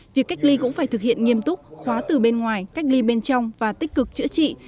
việc cách ly cũng phải thực hiện nghiêm túc khóa từ bên ngoài cách ly bên trong và tích cực chữa trị